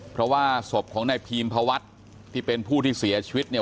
เพราะว่าศพของนายพีมพวัฒน์ที่เป็นผู้ที่เสียชีวิตเนี่ย